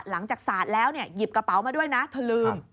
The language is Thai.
สาดแล้วหยิบกระเป๋ามาด้วยนะเธอลืม